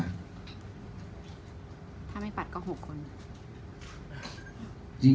ถ้าไม่ปัดก็๖คน